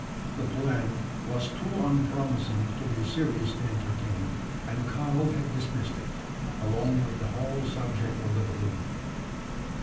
The plan was too unpromising to be seriously entertained; and Karl had dismissed it, along with the whole subject of the balloon.